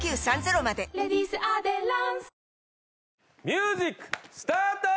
ミュージックスタート！